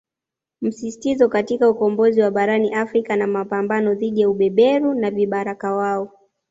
Msisitizo katika ukombozi wa Barani Afrika na mapambano dhidi ya ubeberu na vibaraka wao